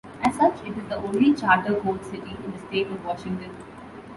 As such, it is the only Charter Code city in the state of Washington.